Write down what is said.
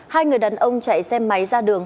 hai người đàn ông chạy xe máy ra đường